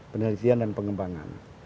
penelitian dan pengembangan